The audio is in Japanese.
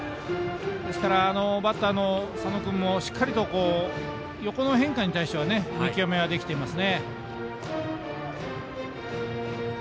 ですからバッターの佐野君もしっかりと横の変化に対しては見極めができています。